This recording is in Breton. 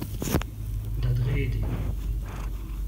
da drede.